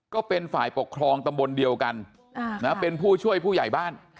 ก็เป็นฝ่ายปกครองตำบลเดียวกันเป็นผู้ช่วยผู้ใหญ่บ้าน